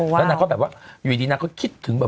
แล้วนางก็แบบว่าอยู่ดีนางก็คิดถึงแบบ